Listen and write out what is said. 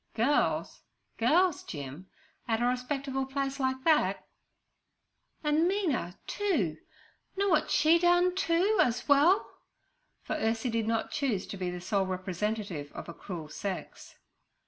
'Girls? girls, Jim, at a respectable place like that?' 'An' Mina, too, know wot she done, too, as well?' for Ursie did not choose to be the sole representative of a cruel sex.